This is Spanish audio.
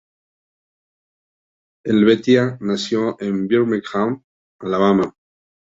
Helvetia nació en Birmingham, Alabama.